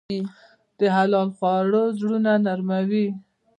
د حلال خوړو زړونه نرموي.